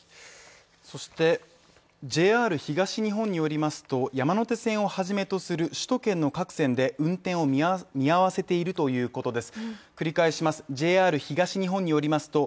そして、ＪＲ東日本によりますと、山手線をはじめとする首都圏の各線で運転を見合わせているということです。